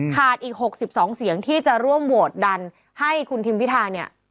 อีก๖๒เสียงที่จะร่วมโหวตดันให้คุณทิมพิธาเนี่ย